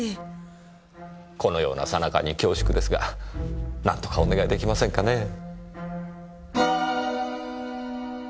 このような最中に恐縮ですが何とかお願いできませんかねぇ？